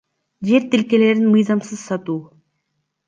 Жер тилкелерин мыйзамсыз сатуу